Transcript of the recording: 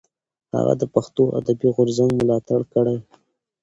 هغه د پښتو ادبي غورځنګ ملاتړ کړی.